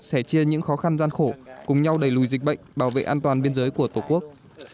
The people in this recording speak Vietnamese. sẻ chia những khó khăn gian khổ cùng nhau đẩy lùi dịch bệnh bảo vệ an toàn biên giới của tổ quốc